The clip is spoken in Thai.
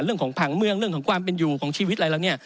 เรื่องของผังเมืองความเป็นอยู่ของชีวิต